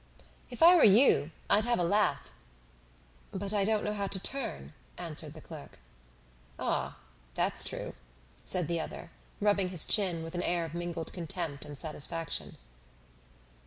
"If I were you I'd have a lathe." "But I don't know how to turn," answered the clerk. "Ah! that's true," said the other, rubbing his chin with an air of mingled contempt and satisfaction.